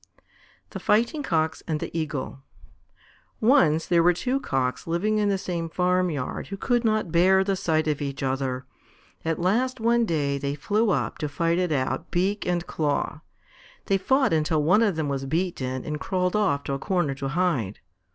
_ THE FIGHTING COCKS AND THE EAGLE Once there were two Cocks living in the same farmyard who could not bear the sight of each other. At last one day they flew up to fight it out, beak and claw. They fought until one of them was beaten and crawled off to a corner to hide.